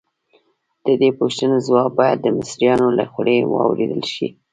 د دې پوښتنو ځواب باید د مصریانو له خولې واورېدل شي.